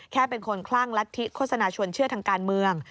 แค่เป็นคนคลั่งลัทธิโฆษณาชวนเชื่อทางการเมือง